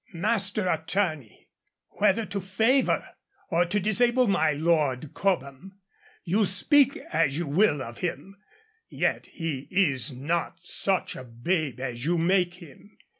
Master Attorney, whether to favour or to disable my Lord Cobham you speak as you will of him, yet he is not such a babe as you make him.